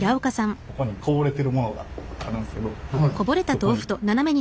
ここにこぼれてるものがあるんですけどそこに。